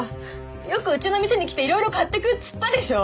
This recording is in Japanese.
よくうちの店に来ていろいろ買っていくっつったでしょう！